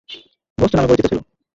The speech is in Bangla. ঘোস্ট নামে পরিচিত ছিল।